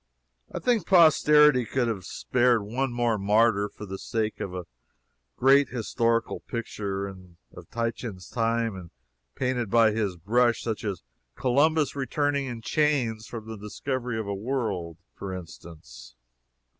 I think posterity could have spared one more martyr for the sake of a great historical picture of Titian's time and painted by his brush such as Columbus returning in chains from the discovery of a world, for instance.